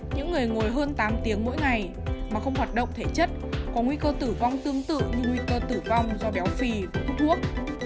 những người ngồi hơn tám tiếng mỗi ngày mà không hoạt động thể chất có nguy cơ tử vong tương tự như nguy cơ tử vong do béo phì hút thuốc